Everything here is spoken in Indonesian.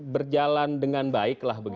berjalan dengan baik